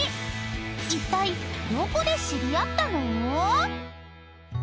［いったいどこで知り合ったの？］